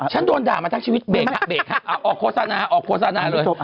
ฉันโดนด่ามาทั้งชีวิตเบกค่ะออกโฆษณาเลย